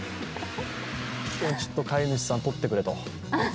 ちょっと飼い主さん、とってくれと。